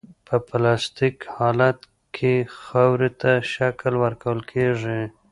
په پلاستیک حالت کې خاورې ته شکل ورکول کیږي